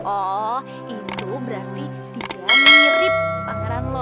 oh itu berarti tiga mirip pangeran lo